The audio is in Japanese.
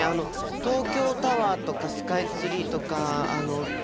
東京タワーとかスカイツリーとか五重の塔とかね